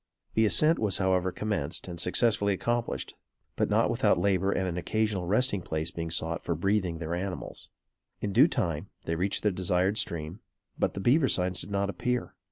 The ascent was however commenced and successfully accomplished; but, not without labor and an occasional resting place being sought for breathing their animals. In due time, they reached the desired stream; but, the beaver signs did not appear.